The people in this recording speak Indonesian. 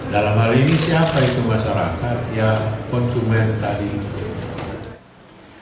dalam hal ini siapa itu masyarakat ya konsumen tadi itu